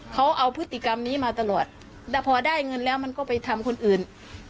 เขาเอาพฤติกรรมนี้มาตลอดแต่พอได้เงินแล้วมันก็ไปทำคนอื่น